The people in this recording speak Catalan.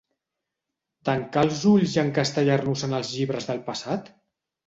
¿Tancar els ulls i encastellar-nos en els llibres del passat?